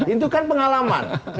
itu kan pengalaman